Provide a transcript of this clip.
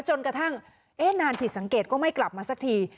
จนกระทั่งนานผิดสังเกตก็ไม่กลับมาสักที